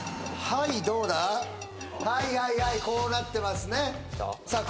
はいはいはいこうなってますねさあ